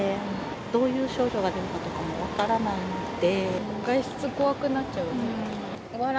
どういう症状が出るかとかも分からないので。